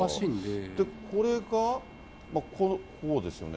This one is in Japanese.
これが、こうですよね。